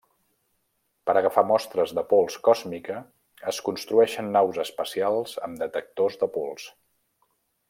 Per agafar mostres de pols còsmica es construeixen naus espacials amb detectors de pols.